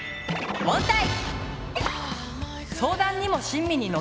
問題！